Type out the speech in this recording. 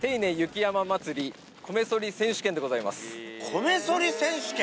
米そり選手権？